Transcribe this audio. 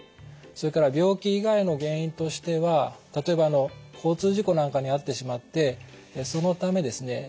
それから病気以外の原因としては例えばあの交通事故なんかに遭ってしまってそのためですね